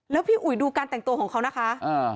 แล้วพี่อุ๋ยดูการแต่งตัวของเขานะคะ